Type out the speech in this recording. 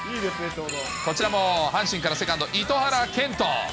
こちらも阪神からセカンド、糸原健斗。